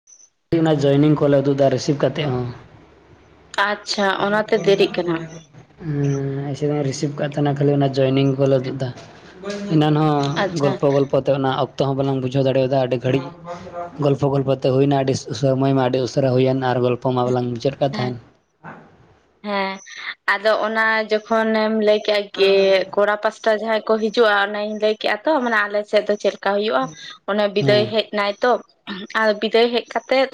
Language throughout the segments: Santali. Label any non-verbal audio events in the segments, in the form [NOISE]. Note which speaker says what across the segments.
Speaker 1: [INAUDIBLE]
Speaker 2: ᱚᱱᱟ ᱡᱚᱭᱮᱱᱤᱝ ᱠᱚᱞᱮ ᱩᱫᱩᱜ ᱫᱟ ᱨᱤᱥᱤᱵᱷ ᱠᱟᱛᱮᱜ ᱦᱚᱸ
Speaker 1: ᱟᱪᱪᱷᱟ᱾ ᱚᱱᱟᱛᱮ ᱫᱮᱨᱤᱜ ᱠᱟᱱᱟ
Speaker 2: ᱦᱮᱸ ᱪᱮᱫᱟᱜ ᱨᱤᱥᱤᱵᱷ ᱠᱟᱜ ᱛᱟᱦᱮᱱᱟ ᱠᱷᱟᱹᱞᱤ ᱚᱱᱟ ᱡᱚᱭᱮᱱᱤᱝ ᱠᱚᱞᱮ ᱩᱫᱩᱜ ᱫᱟ ᱮᱱᱟᱱ ᱦᱚᱸ
Speaker 1: ᱟᱪᱪᱷᱟ
Speaker 2: ᱜᱚᱞᱯᱚ ᱜᱚᱞᱯᱚ ᱯᱚᱛᱮ ᱚᱱᱟ ᱚᱠᱛᱚ ᱦᱚᱸ ᱵᱟᱞᱟᱝ ᱵᱩᱡᱷᱟᱹᱣ ᱫᱟᱲᱮᱭᱟᱫᱟ ᱟᱹᱰᱤ ᱜᱷᱟᱹᱲᱤᱡ ᱜᱚᱞᱯᱚ ᱜᱚᱞᱯᱚ ᱛᱮ ᱦᱩᱭᱱᱟ ᱟᱹᱰᱤ ᱥᱚᱢᱚᱭ ᱢᱟ ᱟᱹᱰᱤ ᱩᱥᱟᱹ ᱩᱥᱟᱹᱨᱟ ᱦᱩᱭᱮᱱ ᱟᱨ ᱜᱚᱞᱯᱚ ᱢᱟ ᱵᱟᱞᱟᱝ ᱢᱩᱪᱟᱹᱫ
Speaker 1: ᱦᱮᱸ
Speaker 2: ᱛᱟᱦᱮᱱ
Speaker 1: ᱦᱮᱸ ᱟᱫᱚ ᱚᱱᱟ ᱡᱚᱠᱷᱚᱱᱮᱢ ᱞᱟᱹᱭᱠᱮᱜᱼᱟ ᱠᱮ ᱠᱚᱲᱟ ᱯᱟᱥ ᱛᱟ ᱡᱟᱦᱟᱸᱭ ᱠᱚ ᱦᱤᱡᱩᱜᱼᱟ ᱚᱱᱟᱧ ᱞᱟᱹᱭ ᱠᱮᱜ ᱟᱛᱚ ᱢᱟᱱᱮ ᱟᱞᱮᱥᱮᱫ ᱫᱚ ᱪᱮᱫ ᱞᱮᱠᱟ ᱦᱩᱭᱩᱜᱼᱟ ᱚᱱᱮ ᱵᱤᱫᱟᱹᱭ
Speaker 2: ᱦᱮᱸ
Speaker 1: ᱦᱮᱡ ᱱᱟᱭ ᱛᱚ ᱟᱨ ᱵᱤᱫᱟᱹᱭ ᱦᱮᱡ ᱠᱟᱛᱮᱫ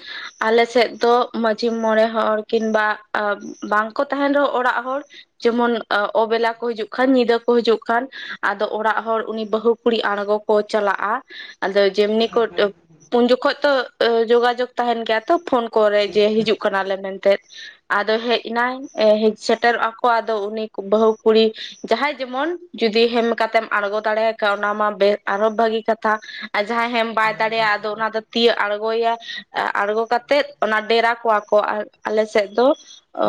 Speaker 1: ᱟᱞᱮ ᱥᱮᱫ ᱫᱚ ᱢᱟᱺᱡᱷᱤ ᱢᱚᱬᱮ ᱦᱚᱲ ᱠᱤᱱᱵᱟ ᱟ ᱵᱟᱝᱠᱚ ᱛᱟᱦᱮᱱ ᱨᱮᱦᱚᱸ ᱚᱲᱟᱜ ᱦᱚᱲ ᱡᱮᱢᱚᱱ ᱚᱵᱮᱞᱟ ᱠᱚ ᱦᱤᱡᱩᱜ ᱠᱷᱟᱱ ᱧᱤᱫᱟᱹ ᱠᱚ ᱦᱤᱡᱩᱜ ᱠᱷᱟᱱ ᱟᱫᱚ ᱚᱲᱟᱜ ᱦᱚᱲ ᱩᱱᱤ ᱵᱟᱹᱦᱩ ᱠᱩᱲᱤ ᱟᱬᱜᱚ ᱠᱚ ᱪᱟᱞᱟᱜᱼᱟ᱾ ᱟᱫᱚ ᱡᱮᱢᱱᱤ ᱠᱚ ᱩᱱ ᱡᱚᱠᱷᱚᱡ ᱛᱚ ᱡᱳᱜᱟᱡᱳᱜ ᱛᱟᱦᱮᱱ ᱜᱮᱭᱟ ᱛᱚ ᱯᱷᱳᱱ ᱠᱚᱨᱮ ᱡᱮ ᱦᱤᱡᱩᱜ ᱠᱟᱱᱟᱞᱮ ᱢᱮᱱᱛᱮ ᱟᱫᱚ ᱦᱮᱡ ᱮᱱᱟᱭ ᱦᱮᱡ ᱥᱮᱴᱮᱨᱚᱜ ᱟᱠᱚ ᱟᱫᱚ ᱩᱱᱤ ᱵᱟᱹᱦᱩ ᱠᱩᱲᱤ ᱡᱟᱦᱟᱸᱭ ᱡᱮᱢᱚᱱ ᱡᱩᱫᱤ ᱦᱮᱢ ᱠᱟᱛᱮᱢ ᱟᱬᱜᱚ ᱫᱟᱲᱮᱭᱟᱭ ᱠᱟᱣᱱᱟ ᱚᱱᱟ ᱢᱟ ᱵᱮᱥ ᱟᱨᱦᱚ ᱵᱷᱟᱹᱜᱤ ᱠᱟᱛᱷᱟ᱾ ᱟᱨ ᱡᱟᱦᱟᱸᱭ ᱦᱮᱢ ᱵᱟᱭ ᱫᱟᱲᱮᱭᱟᱜᱼᱟ ᱟᱫᱚ ᱚᱱᱟ ᱫᱚ ᱛᱤᱭᱟᱹᱜ ᱟᱬᱜᱚᱭᱟ ᱟᱬᱜᱚ ᱠᱟᱛᱮᱫ ᱚᱱᱟ ᱰᱮᱨᱟ ᱠᱚᱣᱟ᱾ ᱠᱚ ᱟᱨ ᱟᱞᱮ ᱥᱮᱫ ᱫᱚ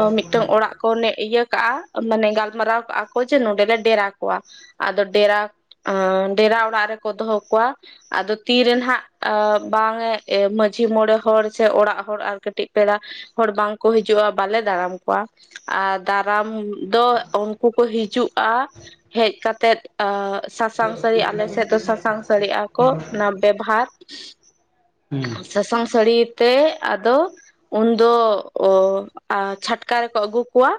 Speaker 1: ᱢᱤᱫᱴᱟᱝ ᱚᱲᱟᱜ [UNINTELLIGIBLE] ᱤᱭᱟᱹ ᱠᱟᱜᱼᱟ ᱢᱟᱱᱮ ᱜᱟᱞᱢᱟᱨᱟᱣ ᱠᱟᱜᱼᱟ ᱠᱚ ᱡᱮ ᱱᱚᱰᱮᱞᱮ ᱰᱮᱨᱟ ᱠᱚᱣᱟ᱾ ᱟᱫᱚ ᱰᱮᱨᱟ ᱰᱮᱨᱟ ᱚᱲᱟᱜ ᱨᱮᱠᱚ ᱫᱚᱦᱚ ᱠᱚᱣᱟ᱾ ᱟᱫᱚ ᱛᱤᱨᱮ ᱱᱟᱜ ᱵᱟᱝ ᱮ ᱢᱟᱺᱡᱷᱤ ᱢᱚᱬᱮ ᱦᱚᱲ ᱥᱮ ᱚᱲᱟᱜ ᱦᱚᱲ ᱟᱨ ᱠᱟᱹᱴᱤᱡ ᱯᱮᱲᱟ ᱦᱚᱲ ᱵᱟᱝᱠᱚ ᱦᱤᱡᱩᱜᱼᱟ ᱵᱟᱞᱮ ᱫᱟᱲᱟᱢ ᱠᱚᱣᱟ᱾ ᱟᱨ ᱫᱟᱨᱟᱢ ᱫᱚ ᱩᱱᱠᱩ ᱠᱚ ᱦᱤᱡᱩᱜᱼᱟ᱾ ᱦᱮᱡ ᱠᱟᱛᱮᱜ ᱟ ᱥᱟᱥᱟᱝ ᱥᱟᱹᱨᱤ ᱟᱞᱮ ᱥᱮᱫ ᱫᱚ ᱥᱟᱥᱟᱝ ᱥᱟᱹᱨᱤᱜᱼᱟ ᱠᱚ ᱚᱱᱟ ᱯᱮᱵᱷᱟᱨ
Speaker 2: ᱦᱩᱸ
Speaker 1: ᱥᱟᱥᱟᱝ ᱥᱟᱹᱲᱤ ᱛᱮ ᱟᱫᱚ ᱩᱱᱫᱚ, ᱚ ᱟᱨ ᱪᱷᱟᱴᱠᱟ ᱨᱮᱠᱚ ᱟᱹᱜᱩ ᱠᱚᱣᱟ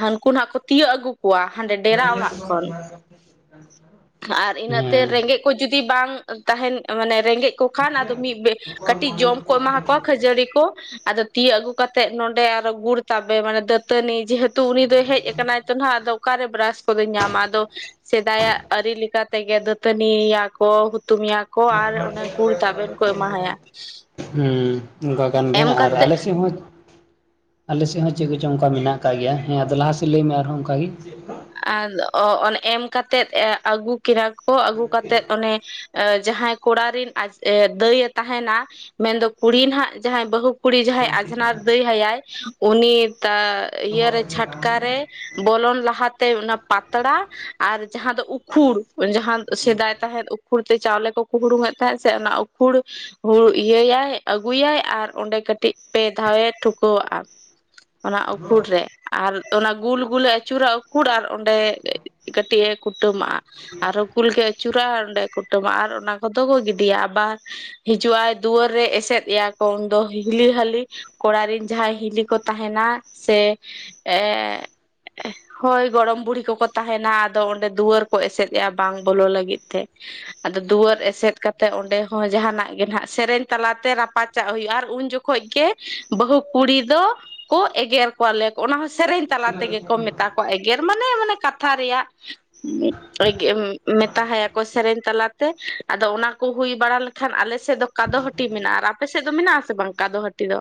Speaker 1: ᱦᱟᱹᱱᱠᱩ ᱱᱟᱦᱜ ᱠᱚ ᱛᱤᱭᱳᱟᱹᱜ ᱟᱹᱜᱩ ᱠᱩᱣᱟ ᱦᱟᱸᱰᱮ ᱰᱮᱨᱟ ᱚᱲᱟᱜ ᱠᱷᱚᱱ᱾
Speaker 2: [INAUDIBLE]
Speaker 1: ᱟᱨ ᱤᱱᱟᱹᱜ ᱛᱮ
Speaker 2: ᱦᱮᱸ
Speaker 1: ᱨᱮᱸᱜᱮᱡ ᱠᱚ ᱡᱩᱫᱤ ᱵᱟᱝ ᱛᱟᱦᱮᱱ ᱢᱟᱱᱮ ᱨᱮᱸᱜᱮᱡ ᱠᱚ ᱠᱷᱟᱱ ᱟᱫᱚ ᱢᱤᱫ ᱠᱟᱹᱴᱤᱡ ᱡᱚᱢ ᱠᱚ ᱮᱢᱟ ᱠᱚᱣᱟ ᱠᱷᱟᱹᱡᱟᱹᱲᱤ ᱠᱚ᱾ ᱟᱫᱚ ᱛᱤ ᱟᱹᱜᱩ ᱠᱟᱛᱮᱜ ᱱᱚᱰᱮ ᱟᱨᱚ ᱜᱩᱲ ᱛᱟᱵᱮ ᱢᱟᱱᱮ ᱫᱟᱹᱛ ᱫᱟᱹᱛᱟᱹᱱᱤ ᱡᱮᱦᱮᱛᱩ ᱩᱱᱤ ᱫᱚᱭ ᱦᱮᱡ ᱠᱟᱱᱟᱭ ᱛᱚ ᱦᱟᱜ ᱟᱫᱚ ᱚᱠᱟᱨᱮ ᱵᱨᱟᱥ ᱠᱚᱫᱚᱭ ᱧᱟᱢᱟ ᱟᱫᱚ ᱥᱮᱫᱟᱭᱟᱜ ᱟᱹᱨᱤ ᱞᱮᱠᱟᱛᱮᱜᱮ ᱫᱟᱹᱛᱟᱹᱱᱤᱭᱤᱭᱟ ᱠᱚ, ᱦᱩᱛᱩᱢ ᱭᱟᱠᱚ, ᱟᱨ ᱚᱱᱮ ᱜᱩᱲ ᱛᱟᱵᱮᱱ ᱠᱚ ᱮᱢᱟᱦᱟᱭᱟ᱾ [INAUDIBLE]
Speaker 2: ᱦᱮᱸ ᱚᱱᱠᱟ ᱠᱟᱱ ᱜᱮᱭᱟ
Speaker 1: ᱮᱢ
Speaker 2: ᱟᱨ
Speaker 1: ᱠᱟᱛᱮᱜ
Speaker 2: ᱟᱞᱮ ᱥᱮᱫ ᱦᱚᱸ ᱟᱞᱮᱥᱮᱫ ᱦᱚᱸ ᱪᱮᱫ ᱠᱚᱪᱚᱝ ᱚᱱᱠᱟ ᱢᱮᱱᱟᱜ ᱟᱠᱟᱟᱜ ᱜᱮᱭᱟ ᱦᱮᱸ ᱟᱫᱚ ᱞᱟᱦᱟᱮᱫ ᱞᱟᱹᱭᱢᱮ ᱟᱨᱦᱚᱸ ᱚᱱᱠᱟᱜ ᱜᱮ᱾
Speaker 1: ᱟᱨ ᱚᱱ ᱮᱢ ᱠᱟᱛᱮᱫ ᱟᱹᱜᱩ ᱠᱤᱱᱟ ᱠᱚ ᱟᱹᱜᱩ ᱠᱟᱛᱮᱫ ᱚᱱᱮ ᱡᱟᱦᱟᱸᱭ ᱠᱚᱲᱟ ᱨᱮᱱ ᱟᱡ ᱫᱟᱹᱭᱮ ᱛᱟᱦᱮᱱᱟ ᱢᱮᱱᱫᱚ ᱠᱩᱲᱤ ᱱᱟᱦᱟᱜ ᱡᱟᱦᱟᱸᱭ ᱵᱟᱹᱦᱩ ᱠᱩᱲᱤ ᱡᱟᱦᱟᱸᱭ ᱟᱡᱽᱷᱱᱟᱨ ᱫᱟᱹᱭ ᱟᱭᱟᱭ ᱩᱱᱤ ᱤᱭᱟᱹᱨᱮ ᱪᱷᱟᱴᱠᱟ ᱨᱮ ᱵᱚᱞᱚᱱ ᱞᱟᱦᱟᱛᱮ ᱚᱱᱟ ᱯᱟᱛᱲᱟ ᱟᱨ ᱡᱟᱦᱟᱸ ᱫᱚ ᱩᱫ ᱠᱷᱩᱲ ᱡᱟᱦᱟᱸ ᱥᱮᱫᱟᱭ ᱛᱟᱦᱮᱸᱫ ᱩᱠᱷᱩᱲ ᱛᱮ ᱪᱟᱣᱞᱮ ᱠᱚ ᱠᱚ ᱦᱩᱲᱩᱝᱮᱫ ᱛᱟᱦᱮᱸᱫ ᱥᱮ ᱚᱱᱟ ᱩᱠᱷᱩᱲ ᱦᱩᱲᱩ ᱤᱭᱟᱹᱭᱟᱭ ᱟᱹᱜᱩᱭᱟᱭ ᱟᱨ ᱚᱸᱰᱮ ᱠᱟᱹᱴᱤᱡ ᱯᱮ ᱫᱷᱟᱣᱮ ᱴᱷᱩᱠᱟᱹᱣᱟᱜᱼᱟ᱾ ᱚᱱᱟ ᱩᱠᱷᱩᱲ ᱨᱮ ᱟᱨ ᱚᱱᱟ ᱜᱩᱞ ᱜᱩᱞᱮ ᱟᱹᱪᱩᱨᱟ ᱩᱠᱩᱲ ᱟᱨ ᱚᱸᱰᱮ ᱠᱟᱹᱴᱤᱡ ᱮ ᱠᱩᱴᱟᱹᱢᱟᱜᱼᱟ ᱟᱨᱚ ᱜᱩᱞ ᱜᱮ ᱟᱹᱪᱩᱨᱟᱜᱼᱟ ᱚᱸᱰᱮ ᱠᱩᱴᱟᱹᱢᱟᱜ ᱟᱨ ᱚᱱᱟ ᱠᱚᱫᱚ ᱠᱚ ᱜᱤᱰᱤᱭᱟ ᱟᱵᱟᱨ ᱦᱤᱡᱩᱜᱼᱟᱭ ᱫᱩᱣᱟᱹᱨ ᱨᱮ ᱮᱥᱮᱫ ᱮᱭᱟ ᱠᱚ ᱩᱱ ᱫᱚ ᱦᱤᱞᱤ ᱦᱟᱹᱞᱤ ᱠᱚᱲᱟ ᱨᱮᱱ ᱡᱟᱦᱟᱸᱭ ᱦᱤᱞᱤ ᱠᱚ ᱛᱟᱦᱮᱱᱟ, ᱥᱮ ᱮ ᱦᱳᱭ ᱜᱚᱲᱚᱢ ᱵᱩᱲᱦᱤ ᱠᱚᱠᱚ ᱛᱟᱦᱮᱱᱟ ᱟᱫᱚ ᱚᱸᱰᱮ ᱫᱩᱣᱟᱹᱨ ᱠᱚ ᱮᱥᱮᱫ ᱮᱼᱟ ᱵᱟᱝ ᱵᱚᱞᱚ ᱞᱟᱹᱜᱤᱫ ᱛᱮ᱾ ᱟᱫᱚ ᱫᱩᱣᱟᱹᱨ ᱮᱥᱮᱫ ᱠᱟᱛᱮ ᱚᱸᱰᱮ ᱦᱚᱸ ᱡᱟᱦᱟᱱᱟᱜ ᱜᱮ ᱦᱱᱟᱜ ᱥᱮᱨᱮᱧ ᱛᱟᱞᱟᱛᱮ ᱨᱟᱯᱟᱪᱟᱜ ᱦᱩᱭᱩᱜᱼᱟ ᱟᱨ ᱩᱱ ᱡᱚᱠᱷ ᱠᱷᱚᱡ ᱜᱮ ᱵᱟᱹᱦᱩ ᱠᱩᱲᱤ ᱫᱚᱠᱚ ᱮᱜᱮᱨ ᱠᱚᱣᱟ, ᱞᱮ ᱚᱱᱟ ᱦᱚᱸ ᱥᱮᱨᱮᱧ ᱛᱟᱞᱟ ᱛᱮᱜᱮ ᱠᱚ ᱢᱮᱛ ᱛᱟ ᱠᱚ ᱮᱜᱮᱨ ᱢᱟᱱᱮ ᱢᱟᱱᱮ ᱠᱟᱛᱷᱟ ᱨᱮᱭᱟᱜ᱾ ᱢᱮᱛᱟ ᱦᱟᱭᱟᱠᱚ ᱥᱮᱨᱮᱧ ᱛᱟᱞᱟᱛᱮ ᱟᱫᱚ ᱚᱱᱟ ᱠᱚ ᱦᱩᱭ ᱵᱟᱲᱟ ᱞᱮᱠᱷᱟᱱ ᱟᱞᱮᱥᱮᱫ ᱫᱚ ᱠᱟᱫ ᱦᱟᱹᱴᱤ ᱢᱮᱱᱟᱜᱼᱟ ᱟᱨ ᱟᱯᱮ ᱥᱮᱫ ᱫᱚ ᱢᱮᱱᱟᱜᱼᱟ ᱟᱥᱮ ᱵᱟᱝ ᱠᱟᱫ ᱦᱟᱟᱹᱴᱤ ᱫᱚ?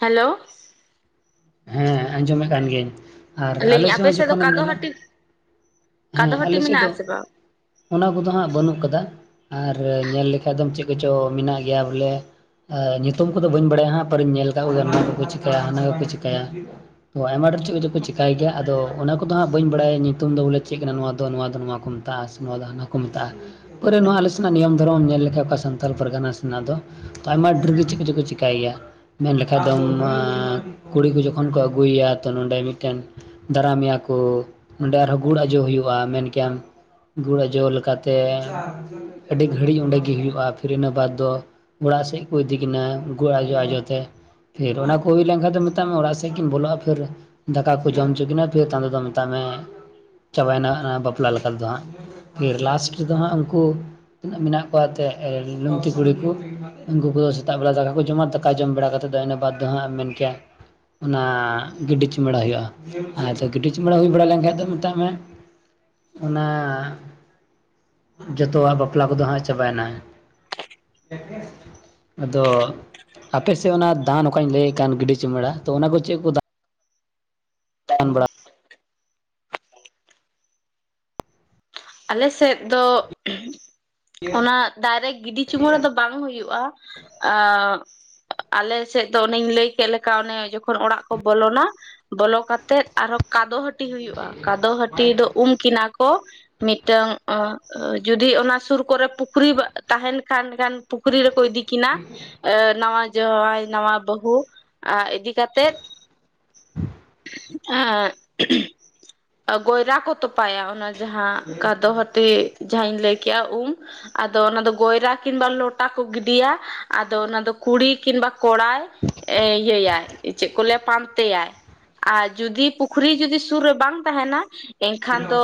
Speaker 1: ᱦᱮᱞᱳᱣ᱾
Speaker 2: ᱦᱮᱸ ᱟᱸᱡᱚᱢᱮᱜ ᱠᱟᱱ ᱜᱤᱭᱟᱹᱧ, ᱟᱨ ᱟᱞᱮ
Speaker 1: ᱞᱟᱹᱭᱟᱹᱧ
Speaker 2: ᱥᱮᱫ
Speaker 1: ᱟᱯᱮ
Speaker 2: ᱦᱚᱸ ᱡᱚᱠᱷᱚᱱᱮᱢ ᱧᱮᱞᱟ
Speaker 1: ᱠᱟᱫᱩ
Speaker 2: ᱦᱮᱸ
Speaker 1: ᱦᱴᱤ
Speaker 2: ᱟᱞᱮ ᱥᱮᱫ
Speaker 1: ᱢᱮᱱᱟᱜᱼᱟ
Speaker 2: ᱫᱚ
Speaker 1: ᱟᱥᱮ ᱵᱟᱝ?
Speaker 2: ᱚᱱᱟ ᱠᱚᱫᱚ ᱦᱟᱸᱜ ᱵᱟᱹᱱᱩᱜ ᱠᱟᱫᱟ ᱟᱨ ᱧᱮᱞ ᱞᱮᱠᱟᱱᱡ ᱫᱚ ᱪᱮᱫ ᱠᱚᱪᱚ ᱢᱮᱱᱟᱜ ᱜᱮᱭᱟ ᱵᱚᱞᱮ ᱧᱩᱛᱩᱢ ᱠᱚᱫᱚ ᱵᱟᱹᱭ ᱵᱟᱟᱭ ᱦᱟᱸᱜ ᱯᱟᱨᱮᱧ ᱧᱮᱞ ᱠᱫ ᱠᱚᱜᱮᱭᱟ ᱠᱚᱠᱚ ᱪᱤᱠᱟᱹᱭᱟ ᱦᱟᱱᱟ ᱠᱚ ᱪᱤᱜ ᱠᱟᱭᱟ ᱟᱭᱢᱟ ᱰᱷᱮᱨ ᱪᱮᱫ ᱪᱮᱠᱟᱭᱟ ᱜᱮᱭᱟ ᱟᱫᱚ ᱟᱱ ᱠᱚᱫᱚ ᱦᱟᱸᱜ ᱵᱟᱹᱧ ᱵᱟᱲᱟᱭᱟ ᱧᱩᱛᱩᱢ ᱫᱚ [UNINTELLIGIBLE] ᱵᱚᱞᱮ ᱪᱮᱫ ᱠᱟᱱᱟ ᱱᱚᱣᱟ ᱫᱚ ᱱᱚᱣᱟ ᱫᱚ ᱱᱚᱣᱟ ᱠᱚ ᱢᱮᱛᱟᱜᱼᱟ ᱥᱮ ᱱᱚᱣᱟ ᱫᱚ ᱦᱟᱱᱟ ᱠᱚ ᱢᱮᱛᱟᱜᱼᱟ᱾ ᱯᱚᱨᱮ ᱱᱚᱣᱟ ᱟᱞᱮᱥᱱᱟᱜ ᱱᱤᱭᱚᱢ ᱫᱷᱚᱨᱚᱢ ᱧᱮᱞ ᱞᱮᱠᱷᱟᱱᱡ ᱚᱠᱟ ᱥᱟᱱᱛᱟᱞ ᱯᱟᱨᱜᱟᱱᱟ ᱨᱮᱱᱟᱜ ᱫᱚ ᱟᱭᱢᱟ ᱰᱷᱮᱨ ᱜᱮ ᱪᱮᱫ ᱠᱚ ᱪᱚ ᱪᱤᱠᱟᱹᱭ ᱜᱮᱭᱟ ᱢᱮᱱ ᱞᱮᱠᱷᱟᱡ ᱫᱚᱢ ᱟᱸ ᱠᱩᱲᱤ ᱠᱚ ᱡᱚᱠᱷᱚᱱ ᱠᱚ ᱟᱹᱜᱩᱭᱮᱭᱟ ᱛᱚ ᱱᱚᱸᱰᱮ ᱢᱤᱫᱴᱮᱱ ᱫᱟᱨᱟᱢᱮᱭᱟ ᱠᱚ ᱚᱸᱰᱮ ᱟᱨᱦᱚᱸ ᱜᱩᱲ ᱟᱡᱚ ᱦᱩᱭᱩᱜᱼᱟ ᱢᱮᱱ ᱠᱮᱟᱢ ᱜᱩᱲ ᱟᱡᱚ ᱞᱮᱠᱟᱛᱮ ᱟᱹᱰᱤ ᱜᱷᱟᱹᱲᱤᱡ ᱚᱸᱰᱮ ᱜᱮ ᱦᱩᱭᱩᱜᱼᱟ ᱯᱷᱤᱨ ᱤᱱᱟᱹ ᱵᱟᱫ ᱫᱚ, ᱚᱲᱟᱜ ᱥᱮᱫ ᱠᱚ ᱤᱫᱤ ᱠᱤᱱᱟ ᱜᱩᱲ ᱟᱡᱚ ᱟᱡᱚ ᱛᱮ ᱯᱷᱤᱨ ᱚᱱᱟᱠᱚ ᱦᱩᱭ ᱞᱮᱱᱠᱷᱟᱱ ᱫᱚ, ᱛᱟᱜ ᱢᱮ ᱚᱲᱟᱜ ᱥᱮ ᱠᱤᱱ ᱵᱚᱞᱚᱼᱟ ᱯᱷᱤᱨ ᱫᱷᱟᱠᱟ ᱠᱚ ᱡᱚᱢ ᱪᱩᱠᱤᱱᱟ ᱯᱷᱤᱨ ᱛᱚᱭᱚᱢ ᱛᱮ ᱛᱮᱫᱚ ᱢᱮᱚᱟᱜ ᱢᱮ ᱪᱟᱵᱟᱭᱱᱟ ᱵᱟᱯᱞᱟ ᱞᱮᱠᱟ ᱛᱮᱫᱚ ᱦᱟᱸᱜ ᱯᱷᱤᱨ ᱞᱟᱥᱴ ᱨᱮᱫᱚ ᱦᱟᱸᱜ ᱩᱝᱠᱩ ᱛᱤᱱᱟᱹᱜ ᱢᱮᱱᱟᱜ ᱠᱚᱣᱟ ᱮᱱᱮᱫ ᱞᱩᱢᱛᱤ ᱠᱩᱲᱤ ᱠᱚ ᱩᱱᱠᱩ ᱠᱚᱫᱚ ᱥᱮᱛᱟᱜ ᱵᱮᱲᱟ ᱫᱟᱠᱟ ᱠᱚ ᱡᱚᱢᱟ ᱛᱟ ᱠᱟ ᱡᱚᱢᱲᱟ ᱠᱟᱛᱮᱫ ᱫᱚ ᱤᱱᱟᱹ ᱵᱟᱫᱽ ᱫᱚ ᱦᱟᱸᱜ ᱮᱢ ᱢᱮᱱ ᱠᱮᱭᱟ ᱚᱱᱟ ᱜᱤᱰᱤᱡ ᱪᱩᱢᱟᱹᱲᱟ ᱦᱩᱭᱩᱜᱼᱟ ᱟ ᱜᱤᱰᱤ ᱪᱩᱢᱟᱹᱲᱟ ᱦᱩᱭ ᱵᱟᱲᱟ ᱞᱮᱱᱠᱟᱱᱡ ᱫᱚ ᱢᱮᱛᱟᱜ ᱢᱮ ᱚᱱᱟ ᱡᱚᱛᱚᱣᱟᱜ ᱵᱟᱯᱞᱟ ᱠᱚᱫᱚ ᱦᱟᱸᱜ ᱪᱟᱵᱟᱭᱱᱟ᱾ [UNINTELLIGIBLE] ᱟᱫᱚ ᱟᱯᱮ ᱥᱮᱫ ᱚᱱᱟ ᱫᱟᱱ ᱚᱠᱟᱧ ᱞᱟᱹᱭᱮᱫ ᱠᱟᱱ ᱜᱤᱰᱤ ᱪᱩᱢᱟᱹᱲᱟ ᱛᱚ ᱚᱱᱟ ᱠᱚ ᱪᱮᱫ ᱠᱚ ᱫᱟ ᱟᱱ ᱵᱟᱲᱟ
Speaker 1: ᱟᱞᱮ ᱥᱮᱫ ᱫᱚ
Speaker 2: ᱪᱮᱫ
Speaker 1: ᱫᱟᱨᱮ ᱜᱤᱰᱤ ᱪᱩᱢᱟᱹᱲᱟ ᱫᱚ ᱵᱟᱝ ᱦᱩᱭᱩᱜᱼᱟ ᱮ ᱟᱞᱮᱥᱮᱫ ᱫᱚ ᱚᱱᱮᱧ ᱞᱟᱹᱭ ᱠᱮᱫ ᱞᱮᱠᱟ ᱚᱱᱮ ᱡᱚᱠᱷᱚᱱ ᱚᱲᱟᱜ ᱠᱚ ᱵᱚᱞᱚᱱᱟ ᱵᱚᱞᱚ ᱠᱟᱛᱮᱜ ᱟᱨᱦᱚᱸ ᱠᱟᱫᱚ ᱦᱟᱹᱴᱤ ᱦᱩᱭᱩᱜᱼᱟ ᱠᱟᱫᱚ ᱦᱟᱹᱴᱤ ᱫᱚ ᱩᱢ ᱠᱤᱱᱟ ᱠᱚ᱾ ᱢᱤᱫᱴᱟᱝ ᱡᱩᱫᱤ ᱚᱱᱟ ᱥᱩᱨ ᱠᱚᱨᱮ ᱯᱩᱠᱷᱨᱤ ᱛᱟᱦᱮᱸᱱ ᱠᱷᱟᱱ ᱠᱷᱟᱱ ᱯᱩᱠᱷᱨᱤ ᱨᱮᱠᱚ ᱤᱫᱤ ᱠᱤᱱᱟ ᱮ ᱱᱟᱣᱟ ᱡᱟᱶᱟᱭ ᱱᱟᱣᱟ ᱵᱟᱹᱦᱩ ᱤᱫᱤ ᱠᱟᱛᱮᱜ ᱜᱚᱭᱨᱟ ᱠᱚ ᱛᱚᱯᱟᱭᱟ ᱚᱱᱟ ᱡᱟᱦᱟᱸ, ᱠᱟᱫᱚ ᱦᱟᱹᱴᱤ ᱡᱟᱦᱟᱸᱧ ᱞᱟᱹᱭ ᱠᱮᱜᱼᱟ ᱩᱢ ᱟᱫᱚ ᱚᱱᱟᱫᱚ ᱜᱚᱭᱨᱟ ᱠᱤᱢᱵᱟ ᱞᱚᱴᱟ ᱠᱚ ᱜᱤᱰᱤᱭᱟ ᱟᱫᱚ ᱚᱱᱟᱫᱚ ᱠᱩᱲᱤ ᱠᱤᱢᱵᱟ ᱠᱚᱲᱟᱭ ᱤᱭᱟᱹᱟᱭ ᱪᱮᱫ ᱠᱚ ᱞᱮᱭᱟ ᱯᱟᱢᱛᱮᱭᱟᱭ᱾ ᱟᱨ ᱡᱩᱫᱤ ᱯᱩᱠᱷᱨᱤ ᱡᱩᱫᱤ ᱥᱩᱨ ᱨᱮ ᱵᱟᱝ ᱛᱟᱦᱮᱸᱱᱟ ᱮᱱᱠᱷᱟᱱ ᱫᱚ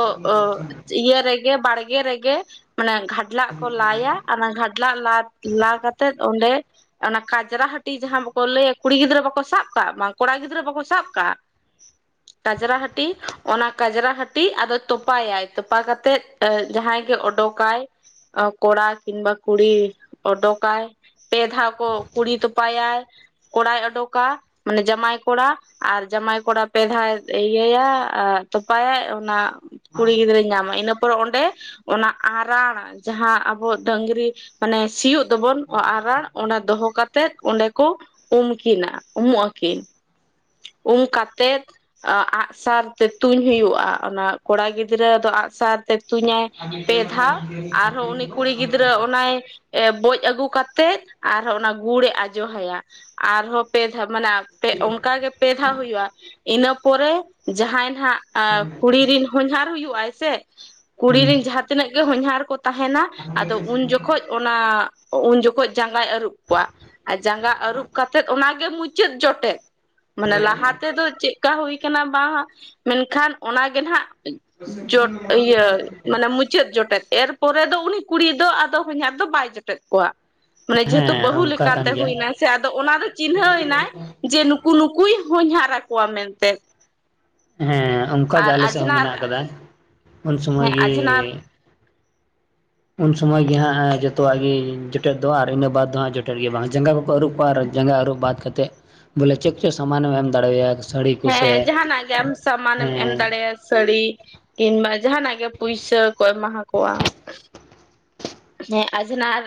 Speaker 1: ᱤᱭᱟᱹ ᱨᱮᱜᱮ ᱵᱟᱲᱜᱮ ᱨᱮᱜᱮ ᱢᱟᱱᱮ ᱜᱷᱟᱰᱞᱟᱜ ᱠᱚ ᱞᱟᱭᱟ᱾ ᱚᱱᱟ ᱜᱷᱟᱰᱞᱟᱜ ᱞᱟ ᱞᱟ ᱠᱟᱛᱮᱜ ᱚᱸᱰᱮ ᱚᱱᱟ ᱠᱟᱡᱽᱨᱟ ᱦᱟᱹᱴᱤ ᱡᱟᱦᱟᱸ ᱵᱟᱠᱚ ᱞᱟᱹᱭᱟ ᱠᱩᱲᱤ ᱜᱤᱫᱽᱨᱟᱹ ᱵᱟᱠᱚ ᱥᱟᱵ ᱠᱟᱜ ᱵᱟᱝ ᱠᱚᱲᱟ ᱜᱤᱫᱽᱨᱟᱹ ᱵᱟᱠᱚ ᱥᱟᱵ ᱠᱟᱜᱼᱟ ᱠᱟᱡᱽᱨᱟ ᱦᱟᱹᱴᱤ ᱚᱱᱟ ᱠᱟᱡᱽᱨᱟ ᱦᱟᱹᱴᱤ ᱟᱫᱚᱭ ᱛᱚᱯᱟᱭᱟᱭ᱾ ᱛᱚᱯᱟ ᱠᱟᱛᱮᱜ ᱡᱟᱦᱟᱸᱭ ᱜᱮ ᱚᱰᱳᱠᱟᱭ᱾ ᱠᱚᱲᱟ ᱠᱤᱱᱵᱟ ᱠᱩᱲᱤ ᱚᱰᱚᱠᱟᱭ᱾ ᱯᱮ ᱫᱷᱟᱣ ᱠᱚ ᱠᱩᱲᱤ ᱛᱚᱯᱟᱭᱟᱭ ᱠᱚᱲᱟᱭ ᱚᱰᱩᱠᱟ ᱢᱟᱱᱮ ᱡᱟᱢᱟᱭ ᱠᱚᱲᱟ᱾ ᱟᱨ ᱡᱟᱢᱟᱭ ᱠᱚᱲᱟ ᱯᱮ ᱫᱷᱟᱣ ᱤᱭᱟᱹᱭᱟ ᱛᱚᱯᱟᱭᱟᱭ ᱚᱱᱟ ᱠᱩᱲᱤ ᱜᱤᱫᱽᱨᱟᱹ ᱤᱱᱟᱹ ᱯᱚᱨᱮ ᱚᱸᱰᱮ ᱚᱱᱟ ᱟᱨᱟᱲ ᱡᱟᱦᱟᱸ ᱟᱵᱚ ᱰᱟᱝᱨᱤ ᱢᱟᱱᱮ ᱥᱤᱭᱳᱜ ᱫᱚᱵᱚᱱ ᱟᱨᱟᱲ ᱚᱱᱟ ᱫᱚᱦᱚ ᱠᱟᱛᱮᱫ ᱚᱸᱰᱮ ᱠᱚ ᱩᱢᱠᱤᱱᱟ ᱩᱢᱩᱜ ᱟᱹᱠᱤᱱ᱾ ᱩᱢ ᱠᱟᱛᱮᱫ ᱟᱸᱜ‌ ᱥᱟᱨ ᱛᱮ ᱛᱩᱧ ᱦᱩᱭᱩᱜᱼᱟ ᱚᱱᱟ ᱠᱚᱲᱟ ᱜᱤᱫᱽᱨᱟᱹ ᱫᱚ ᱟᱸᱜ ᱥᱟᱨ ᱛᱩᱧᱟᱭ ᱯᱮ ᱫᱷᱟᱣ ᱟᱨᱦᱚᱸ ᱩᱱᱤ ᱠᱩᱲᱤ ᱜᱤᱫᱽᱨᱟᱹ ᱚᱱᱟᱭ ᱵᱚᱡ ᱟᱹᱜᱩ ᱠᱟᱛᱮᱜ ᱟᱨᱦᱚᱸ ᱚᱱᱟ ᱜᱩᱲ ᱮ ᱟᱡᱚ ᱦᱟᱭᱟ᱾ ᱟᱨᱦᱚᱸ ᱯᱮ ᱫᱷᱟᱣ ᱢᱟᱱᱮ ᱚᱱᱠᱟᱜ ᱜᱮ ᱯᱮ ᱫᱷᱟᱣ ᱦᱩᱭᱩᱜᱼᱟ᱾ ᱤᱱᱟᱹ ᱯᱚᱨᱮ ᱡᱟᱦᱟᱸᱭ ᱦᱟᱜ ᱠᱩᱲᱤ ᱨᱮᱱ ᱦᱚᱧᱦᱟᱨ ᱦᱩᱭᱩᱜᱟᱭ ᱥᱮ ᱠᱩᱲᱤ ᱨᱮᱱ
Speaker 2: ᱫᱟᱱ
Speaker 1: ᱡᱟᱦᱟᱸ ᱛᱤᱱᱟᱹᱜ ᱜᱮ ᱦᱚᱧᱦᱟᱨ ᱠᱚ ᱛᱟᱦᱮᱸᱱᱟ ᱟᱫᱚ ᱩᱱ ᱡᱚᱠᱷᱚᱱ ᱠᱷᱚᱡ ᱚᱱᱟ ᱩᱱ ᱡᱚᱠᱷᱚᱱ ᱡᱟᱸᱜᱟᱭ ᱟᱹᱨᱩᱵ ᱠᱚᱣᱟ᱾ ᱟᱨ ᱡᱟᱸᱜᱟ ᱟᱹᱨᱩᱵ ᱠᱟᱛᱮᱫ ᱚᱱᱟ ᱜᱮ ᱢᱩᱪᱟᱹᱫ ᱡᱚᱴᱮᱫ᱾ ᱢᱟᱱᱮ ᱞᱟᱦᱟ ᱛᱮᱫᱚ ᱪᱮᱫᱠᱟ ᱦᱩᱭ ᱠᱟᱱᱟ ᱵᱟᱝ ᱢᱮᱱᱠᱷᱟᱱ ᱚᱱᱟ ᱜᱮ ᱱᱟᱦᱟᱜ ᱡᱚᱴ ᱤᱭᱟᱹ ᱢᱟᱱᱮ ᱢᱩᱪᱟᱹᱫ ᱡᱚᱴᱮᱫ ᱮᱨᱯᱚᱨᱮ ᱫᱚ ᱩᱱᱤ ᱠᱩᱲᱤ ᱫᱚ ᱟᱫᱚ ᱦᱚᱧᱟᱨ ᱫᱚ ᱵᱟᱭ ᱡᱚᱴᱮᱫ ᱠᱚᱣᱟ ᱢᱟᱱᱮ ᱡᱮᱦᱮᱛᱩ
Speaker 2: ᱦᱮᱸ
Speaker 1: ᱵᱟᱹᱦᱩ
Speaker 2: ᱚᱱᱠᱟ
Speaker 1: ᱞᱮᱠᱟ ᱛᱮ
Speaker 2: ᱠᱟᱱ ᱜᱮᱭᱟ
Speaker 1: ᱦᱩᱭᱱᱟ ᱥᱮ ᱟᱫᱚ ᱚᱱᱟ ᱫᱚ ᱪᱤᱱᱦᱟᱹᱣ ᱮᱱᱟᱭ ᱡᱮ ᱱᱩ ᱱᱦᱠᱩ ᱱᱩᱠᱩᱭ ᱦᱚᱧᱦᱟᱨ ᱟᱠᱚᱣᱟ ᱢᱮᱱᱛᱮ᱾
Speaker 2: ᱦᱮᱸ ᱚᱱᱠᱟ ᱜᱮ
Speaker 1: ᱟᱨ
Speaker 2: ᱟᱞᱮ ᱥᱮᱫ ᱦᱚᱸ
Speaker 1: ᱟᱡᱷᱱᱟᱨ
Speaker 2: ᱢᱮᱱᱟᱜ ᱟᱠᱟᱫᱟ ᱩᱱ ᱥᱚᱢᱚᱭ
Speaker 1: ᱦᱮᱸ
Speaker 2: ᱜᱮ
Speaker 1: ᱟᱡᱷᱱᱟᱨ
Speaker 2: ᱩᱱ ᱥᱚᱢᱚᱭ ᱜᱮ ᱦᱟᱸᱜ ᱡᱚᱛᱚᱣᱟᱜ ᱜᱮ ᱡᱚᱴᱮᱫ ᱫᱚ ᱟᱨ ᱤᱱᱟᱹ ᱵᱟᱫᱽ ᱫᱚ ᱦᱟᱸᱜ ᱡᱚᱴᱮᱫ ᱜᱮ ᱵᱟᱝ ᱡᱟᱸᱜᱟ ᱠᱚ ᱟᱹᱨᱩᱵᱚᱜᱼᱟ ᱟᱨ ᱡᱟᱸᱜᱟ ᱟᱹᱨᱩᱵ ᱵᱟᱫ ᱠᱟᱛᱮᱫ ᱵᱚᱞᱮ ᱪᱮᱫ ᱪᱮᱫ ᱥᱟᱢᱟᱱ ᱮᱢ ᱫᱟᱲᱮᱣᱟᱭᱟ ᱥᱟᱹᱲᱤ
Speaker 1: ᱦᱮᱸ
Speaker 2: ᱠᱚᱥᱮ
Speaker 1: ᱡᱟᱦᱟᱱᱟᱜ ᱜᱮ ᱟᱢ ᱥᱟᱢᱟᱱᱮᱢ ᱮᱢ
Speaker 2: ᱦᱮᱸ
Speaker 1: ᱫᱟᱲᱮᱭᱟᱜᱼᱟ ᱥᱟᱹᱲᱤ᱾ ᱠᱤᱱᱵᱟ ᱡᱟᱦᱟᱱᱟᱜ ᱜᱮ ᱯᱩᱭᱥᱟᱹ ᱠᱚ ᱮᱢᱟ ᱟᱠᱚᱣᱟ᱾ ᱦᱮᱸ ᱟᱡᱷᱱᱟᱨ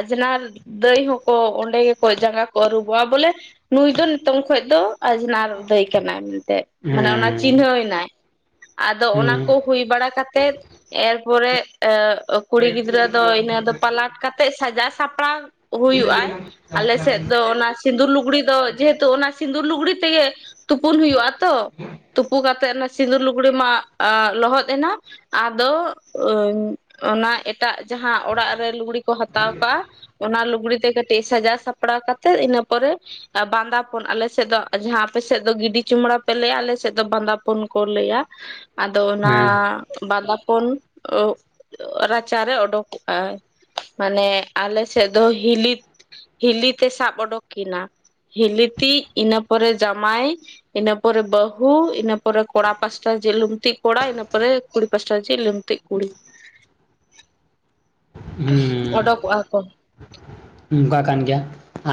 Speaker 1: ᱟᱡᱷᱱᱟᱨ ᱫᱟᱹᱭ ᱦᱚᱸᱠᱚ ᱚᱸᱰᱮ ᱜᱮᱠᱚ ᱡᱟᱸᱜᱟ ᱠᱚ ᱟᱹᱨᱩᱵᱚᱜᱼᱟ ᱵᱚᱞᱮ ᱱᱩᱭ ᱫᱚ ᱱᱤᱛᱚᱝ ᱠᱷᱚᱱ ᱫᱚ ᱟᱡᱷᱱᱟᱨ ᱫᱟᱹᱭ ᱠᱟᱱᱟᱭ ᱢᱮᱱᱛᱮ ᱢᱟᱱᱮ ᱚᱱᱟ
Speaker 2: ᱦᱮᱸ
Speaker 1: ᱪᱤᱱᱦᱟᱹᱣ ᱮᱱᱟᱭ᱾ ᱟᱫᱚ ᱚᱱᱟ ᱠᱩ
Speaker 2: ᱦᱮᱸ
Speaker 1: ᱦᱩᱭ ᱵᱟᱲᱟ ᱠᱟᱛᱮᱜ ᱮᱨᱯᱚᱨᱮ ᱠᱩᱲᱤ ᱜᱤᱫᱽᱨᱟᱹ ᱫᱚ ᱤᱱᱟᱹ ᱫᱚ
Speaker 2: [UNINTELLIGIBLE]
Speaker 1: ᱯᱟᱞᱟᱴ ᱠᱟᱛᱮ ᱥᱟᱡᱟᱣ ᱥᱟᱯᱲᱟᱣ ᱦᱩᱭᱩᱜᱼᱟ ᱟᱞᱮ ᱥᱮᱫ ᱫᱚ ᱚᱱᱟ ᱥᱤᱸᱫᱩᱨ ᱞᱩᱜᱽᱲᱤ ᱫᱚ ᱡᱮᱦᱮᱛᱩ ᱚᱱᱟ ᱥᱤᱸᱫᱩᱨ ᱞᱩᱜᱽᱲᱤ ᱛᱮᱜᱮ ᱛᱩᱯᱩᱱ ᱦᱩᱭᱩᱜᱼᱟ ᱛᱚ ᱛᱩᱯᱩ ᱠᱟᱛᱮᱜ ᱱᱟ ᱥᱤᱸᱫᱩᱨ ᱞᱩᱜᱽᱲᱤ ᱢᱟ ᱟ ᱞᱚᱦᱚᱫ ᱮᱱᱟ ᱟᱫᱚ ᱚᱱᱟ ᱮᱴᱟᱜ ᱡᱟᱦᱟᱸ ᱚᱲᱟᱜ ᱨᱮ ᱞᱩᱜᱽᱲᱤ ᱠᱚ ᱦᱟᱛᱟᱣ ᱠᱟᱜᱼᱟ ᱚᱱᱟ ᱞᱩᱜᱽᱲᱤ ᱛᱮ ᱠᱟᱹᱴᱤᱡ ᱥᱟᱡᱟ ᱥᱟᱯᱲᱟᱣ ᱠᱟᱛᱮᱫ ᱤᱱᱟᱹ ᱯᱚᱨᱮ ᱵᱟᱸᱫᱟᱯᱚᱱ ᱟᱞᱮ ᱥᱮᱫ ᱫᱚ ᱡᱟᱦᱟᱸ ᱟᱯᱮ ᱥᱮᱫ ᱫᱚ ᱜᱤᱰᱤ ᱪᱩᱢᱲᱟ ᱯᱮ ᱞᱟᱹᱭᱟ ᱟᱞᱮᱥᱮᱫ ᱫᱚ ᱵᱟᱸᱫᱟᱯ ᱯᱳᱱ ᱠᱚ ᱞᱟᱹᱭᱟ ᱟᱫᱚ ᱚᱱᱟ
Speaker 2: ᱦᱮᱸ
Speaker 1: ᱵᱟᱸᱫᱟᱯᱚᱱ ᱨᱟᱪᱟᱨᱮ ᱚᱰᱳᱠ ᱟᱭ ᱢᱟᱱᱮ ᱟᱞᱮ ᱥᱮᱫ ᱫᱚ ᱦᱤᱞᱤᱛ ᱦᱤᱞᱤᱛᱮ ᱥᱟᱵ ᱚᱰᱚᱠ ᱠᱤᱱᱟ ᱦᱤᱞᱤᱛᱤᱡ ᱤᱱᱟᱹ ᱯᱚᱨᱮ ᱡᱟᱢᱟᱭ ᱤᱱᱟᱹ ᱯᱚᱨᱮ ᱵᱟᱹᱦᱩ ᱤᱱᱟᱹ ᱯᱚᱨᱮ ᱠᱚᱲᱟ ᱯᱟᱥᱴᱟ ᱡᱮ ᱞᱩᱢᱛᱤ ᱠᱚᱲᱟ ᱤᱱᱟᱹ ᱯᱚᱨᱮ ᱠᱩᱲᱤ ᱯᱟᱦᱟᱴᱟ [UNINTELLIGIBLE] ᱞᱩᱢᱛᱤᱜ ᱠᱩᱲᱤ᱾
Speaker 2: ᱦᱩᱻᱢ
Speaker 1: ᱚᱰᱳᱠᱚᱜᱼᱟ ᱠᱚ
Speaker 2: ᱱᱚᱝᱠᱟ ᱠᱟᱱ ᱜᱮᱭᱟ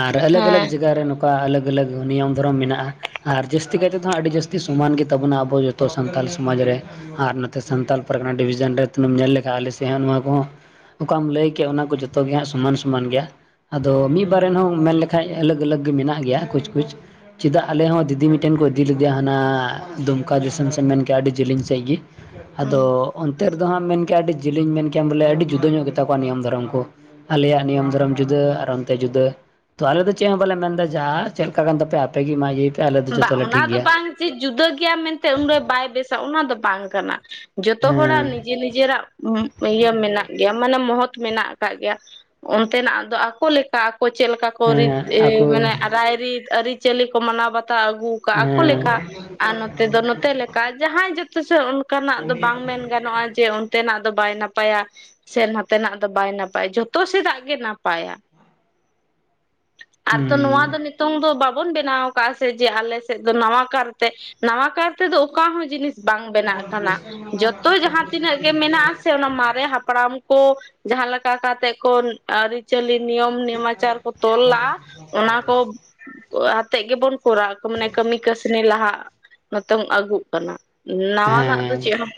Speaker 2: ᱟᱨ ᱟᱹᱞᱟᱹᱜᱽ ᱟᱹᱞᱟᱹᱜᱽ
Speaker 1: ᱦᱮᱸ
Speaker 2: ᱡᱟᱹᱜᱟ ᱨᱮ ᱠᱟ ᱟᱹᱞᱟᱹᱜᱽ ᱟᱹᱞᱟᱹᱜᱽ ᱱᱤᱭᱚᱢ ᱫᱷᱚᱨᱚᱢ ᱢᱮᱱᱟᱜᱼᱟ ᱾ ᱟᱨ ᱡᱟᱹᱥᱛᱤ ᱠᱟᱭᱛᱮ ᱫᱚ ᱦᱟᱸᱜ ᱟᱹᱰᱤ ᱡᱟᱹᱥᱛᱤ ᱥᱩᱢᱟᱱ ᱜᱤᱛᱟᱵᱚᱱᱟ ᱟᱵᱚ ᱡᱚᱛᱚ ᱥᱟᱱᱛᱟᱞ ᱥᱩᱢᱟᱡᱽ ᱨᱮ ᱾ ᱟᱨ ᱱᱚᱛᱮ ᱥᱟᱱᱛᱟᱞ ᱯᱟᱨᱜᱟᱱᱟ ᱰᱤᱵᱷᱤᱡᱚᱱ ᱨᱮ ᱛᱤᱱᱟᱹᱢ ᱧᱮᱞ ᱞᱮᱠᱷᱟ ᱟᱞᱮ ᱥᱮᱡ ᱦᱚᱸ ᱱᱚᱣᱟ ᱠᱚᱦᱚᱸ ᱚᱠᱟᱢ ᱞᱟᱹᱭ ᱠᱮᱜ ᱚᱱᱟ ᱠᱚ ᱡᱚᱛᱚ ᱜᱮ ᱦᱟᱸᱜ ᱥᱚᱢᱟᱱ ᱥᱚᱢᱟᱱ ᱜᱮᱭᱟ ᱟᱫᱚ ᱢᱤᱫ ᱵᱟᱨᱮᱱ ᱦᱚᱸ ᱢᱮᱱ ᱞᱮᱠᱷᱟᱡ ᱟᱹᱞᱟᱹᱜᱽ ᱟᱹᱞᱟᱹᱜᱽ ᱜᱮ ᱢᱮᱱᱟᱜ ᱜᱮᱭᱟ ᱠᱩᱪ ᱠᱩᱪ ᱪᱮᱫᱟᱜ ᱟᱞᱮ ᱦᱚᱸ ᱫᱤᱫᱤ ᱢᱤᱫᱴᱮᱱ ᱠᱚ ᱤᱫᱤ ᱞᱮᱫᱮᱭᱟ ᱦᱟᱱᱟ ᱫᱩᱢᱠᱟ ᱫᱤᱥᱚᱢ ᱥᱮᱫ ᱮᱢ ᱢᱮᱱᱠᱮᱭᱟ ᱟᱹᱰᱤ ᱡᱤᱞᱤᱧ ᱥᱟᱹᱦᱤᱡ ᱜᱤ
Speaker 1: ᱦᱩᱸ
Speaker 2: ᱟᱫᱚ ᱚᱱᱛᱮ ᱨᱮᱫᱚ ᱦᱟᱸᱜ ᱮᱢ ᱢᱮᱱ ᱠᱮᱜᱼᱟ ᱟᱹᱰᱤ ᱡᱤᱞᱤᱧ ᱢᱮᱱ ᱠᱮᱭᱟᱢ ᱵᱚᱞᱮ ᱟᱹᱰᱤ ᱡᱩᱫᱟᱹ ᱧᱚᱜ ᱜᱮᱛ ᱛᱟᱠᱚᱣᱟ ᱱᱤᱭᱚᱢ ᱫᱷᱚᱨᱚᱢ ᱠᱚ ᱟᱞᱮᱭᱟᱜ ᱱᱤᱭᱚᱢ ᱫᱷᱚᱨᱚᱢ ᱡᱩᱫᱟᱹ ᱟᱨ ᱚᱱᱛᱮ ᱡᱩᱫᱟᱹ ᱛᱚ ᱟᱞᱮ ᱫᱚ ᱪᱮᱫ ᱦᱚᱸ ᱵᱟᱞᱮ ᱢᱮᱱᱫᱟ ᱡᱟᱦᱟ ᱪᱮᱫ ᱞᱮᱠᱟ ᱠᱟᱱ ᱛᱟᱯᱮᱭᱟ ᱟᱯᱮ ᱜᱤ ᱢᱟ ᱤᱭᱟᱹᱭ ᱯᱮ ᱟᱞᱮ ᱫᱚ ᱡᱚᱛᱚᱞᱮ ᱴᱷᱤᱠ ᱜᱮᱭᱟ ᱾
Speaker 1: ᱪᱤᱫ ᱡᱩᱫᱟᱹ ᱜᱮᱭᱟ ᱢᱮᱱᱛᱮ ᱩᱱᱨᱮ ᱵᱟᱭ ᱵᱮᱥᱟ ᱚᱱᱟ ᱫᱚ ᱵᱟᱝ ᱠᱟᱱᱟ ᱾ ᱡᱚᱛᱚ ᱦᱚᱲᱟᱜ
Speaker 2: ᱦᱮᱸ
Speaker 1: ᱱᱤᱡᱮ ᱱᱤᱡᱮᱨᱟᱜ ᱤᱭᱟᱹ ᱢᱮᱱᱟᱜ ᱜᱮᱭᱟ ᱢᱟᱱᱮ ᱢᱚᱦᱚᱛ ᱢᱮᱱᱟᱜ ᱟᱠᱟᱜ ᱜᱮᱭᱟ ᱾ ᱚᱱᱛᱮᱱᱟᱜ ᱫᱚ ᱟᱠᱚ ᱞᱮᱠᱟ ᱟᱠᱚ ᱪᱮᱫ ᱞᱮᱠᱟ ᱠᱚ ᱨᱤᱛ
Speaker 2: ᱦᱮᱸ
Speaker 1: ᱮᱹᱻ
Speaker 2: ᱟᱠᱚ
Speaker 1: ᱢᱟᱱᱮ ᱨᱟᱭ ᱨᱤᱛ ᱟᱹᱨᱤᱪᱟᱹᱞᱤ ᱠᱚ ᱢᱟᱱᱟᱣ ᱵᱟᱛᱟᱣ ᱟᱹᱜᱩ ᱠᱟᱜ ᱟᱠᱚ
Speaker 2: ᱦᱮᱸ
Speaker 1: ᱞᱮᱠᱟ ᱟᱨ ᱱᱚᱛᱮ ᱫᱚ ᱱᱚᱛᱮ ᱞᱮᱠᱟ ᱡᱟᱸᱦᱟᱭ ᱡᱚᱛᱚ ᱥᱮᱜ ᱠᱟᱱᱟᱜ ᱫᱚ ᱵᱟᱝ ᱢᱮᱱ ᱜᱟᱱᱚᱜᱼᱟ ᱡᱮ ᱛᱮᱱᱟᱜ ᱫᱚ ᱵᱟᱭ ᱱᱟᱯᱟᱭᱟ ᱥᱮ ᱱᱟᱛᱮᱱᱟᱜ ᱫᱚ ᱵᱟᱭ ᱱᱟᱯᱟᱭ ᱡᱷᱚᱛᱚ ᱥᱮᱫᱟᱜ ᱜᱮ ᱱᱟᱯᱟᱭᱟ ᱾ ᱟᱨ ᱛᱚ ᱱᱚᱣᱟ
Speaker 2: ᱦᱩᱸ
Speaker 1: ᱫᱚ ᱱᱤ ᱱᱤᱛᱚᱝ ᱫᱚ ᱵᱟᱵᱚᱱ ᱵᱮᱱᱟᱣ ᱠᱟᱜᱼᱟ ᱥᱮ ᱡᱮ ᱟᱞᱮ ᱥᱮᱫ ᱫᱚ ᱱᱟᱣᱟ ᱠᱟᱨᱛᱮ ᱱᱟᱣᱟ ᱠᱟᱨ ᱛᱮᱫᱚ ᱚᱠᱟ ᱦᱚᱸ ᱡᱤᱱᱤᱥ ᱵᱟᱝ ᱵᱮᱱᱟᱜ ᱠᱟᱱᱟ ᱡᱚᱛᱚ ᱡᱟᱦᱟᱸ ᱛᱤᱱᱟᱹᱜ ᱜᱮ ᱢᱮᱱᱟᱜᱼᱟ ᱥᱮ ᱚᱱᱟ ᱢᱟᱨᱮ ᱦᱟᱯ ᱯᱟᱲᱟᱢ ᱠᱚ ᱡᱟᱦᱟᱸ ᱞᱮᱠᱟ ᱠᱟᱛᱮᱜ ᱠᱚ ᱟᱹᱨᱤᱪᱟᱹᱞᱤ ᱱᱤᱭᱚᱢ ᱱᱮᱢᱟᱪᱟᱨ ᱠᱚ ᱛᱚᱞ ᱞᱟᱜᱼᱟ ᱚᱱᱟ ᱠᱚ ᱟᱛᱮᱜ ᱜᱮᱵᱚᱱ ᱠᱚᱨᱟᱣ ᱟᱠᱚ ᱢᱟᱱᱮ ᱠᱟᱹᱢᱤ ᱠᱟᱹᱥᱱᱤ ᱞᱟᱦᱟᱜ ᱱᱚᱛᱚᱝ ᱟᱹᱜᱩᱜ ᱠᱟᱱᱟ ᱱᱟᱣᱟᱱᱟᱜ ᱫᱚ
Speaker 2: ᱦᱮᱸ
Speaker 1: ᱪᱮᱫ ᱦᱚ [INAUDIBLE]